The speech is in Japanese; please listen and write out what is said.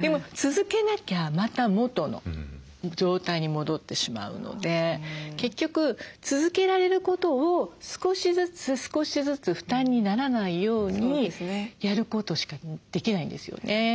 でも続けなきゃまた元の状態に戻ってしまうので結局続けられることを少しずつ少しずつ負担にならないようにやることしかできないんですよね。